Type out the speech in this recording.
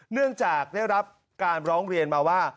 เนื่องจากได้รับการร้องเรียนมาว่า